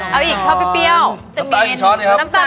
เมนาสองช้อนนะครับ